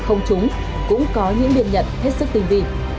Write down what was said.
không trúng cũng có những điện nhận hết sức tình vị